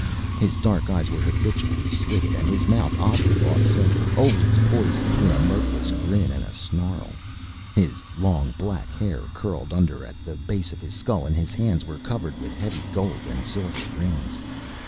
His dark eyes were habitually slitted, and his mouth oddly off center, always poised between a mirthless grin and a snarl. His long black hair curled under at the base of his skull, and his hands were covered with heavy gold and silver rings.